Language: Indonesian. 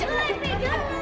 aduh tempat lagi